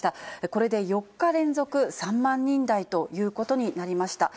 これで４日連続、３万人台ということになりました。